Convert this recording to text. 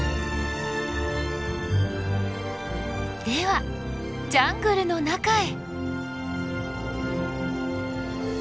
ではジャングルの中へ。